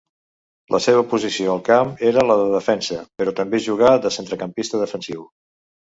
La seva posició al camp era la de defensa, però també jugà de centrecampista defensiu.